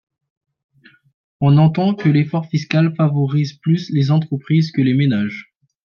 On entend que l’effort fiscal favorise plus les entreprises que les ménages.